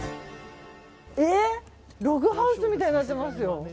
ログハウスみたいになってますよ。